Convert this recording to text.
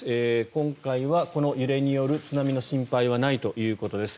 今回はこの揺れによる津波の心配はないということです。